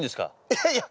いやいや。